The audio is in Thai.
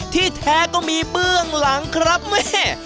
ที่แท้ก็มีเบื้องหลังครับแม่